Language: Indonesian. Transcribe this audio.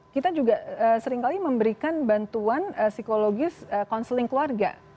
kita juga seringkali memberikan bantuan psikologis counseling keluarga